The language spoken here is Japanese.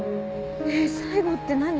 ねえ最後って何？